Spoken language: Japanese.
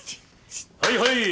はいはい。